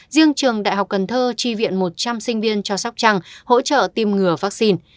riêng trường đại học cần thơ tri viện một trăm linh sinh viên cho sóc trăng hỗ trợ tim ngừa vaccine